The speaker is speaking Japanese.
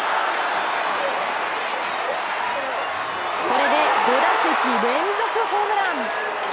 これで５打席連続ホームラン！